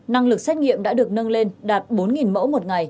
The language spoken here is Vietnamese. năng lực xét nghiệm đã được nâng lên đạt bốn mẫu